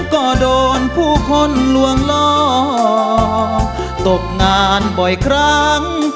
ก็โดนผู้คนลวงล่อตกงานบ่อยครั้ง